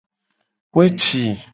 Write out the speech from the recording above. Weci.